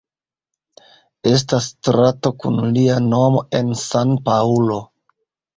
Estas strato kun lia nomo en San-Paŭlo.